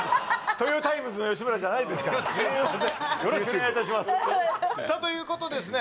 トヨタイムズの吉村じゃないですからよろしくお願いいたしますということでですね